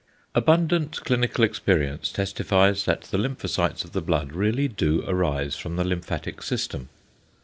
Abundant clinical experience testifies that the lymphocytes of the blood really do arise from the lymphatic system.